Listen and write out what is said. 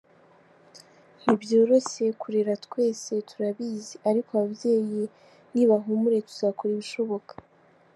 Ntibyoroshye kurera twese turabizi ariko ababyeyi nibahumure tuzakora ibishoboka”.